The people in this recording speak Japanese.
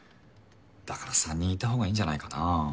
だから３人いたほうがいいんじゃないかなぁ？